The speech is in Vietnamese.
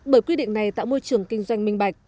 bởi quy định này tạo môi trường kinh doanh minh bạch